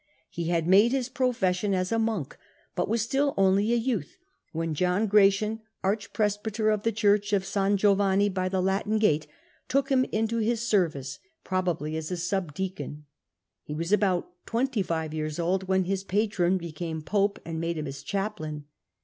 He had made his profession as a monk, but was still only a youth when John Gratian, archpresbyter of the church of S. Giovanni by the Latin gate, took him into his service, probably as a subdeacon. He was about twenty five years old when his patron became pope and made him his chaplain.